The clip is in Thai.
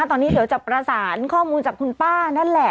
ตอนนี้เดี๋ยวจะประสานข้อมูลจากคุณป้านั่นแหละ